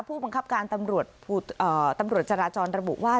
ผู้บังคับการตำรวจจราจรระบุว่า